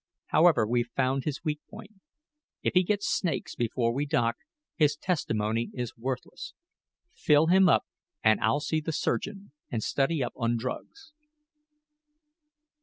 However, we've found his weak point. If he gets snakes before we dock, his testimony is worthless. Fill him up and I'll see the surgeon, and study up on drugs."